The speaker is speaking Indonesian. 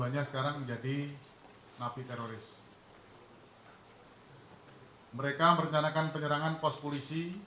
apakah memang ini skenan mereka bahwa awalnya penyerangan timako dulu